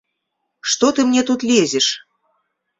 Што ты мне тут лезеш?